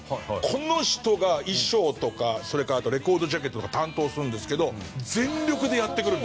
この人が衣装とかそれからあとレコードジャケットとか担当するんですけど全力でやってくるんで。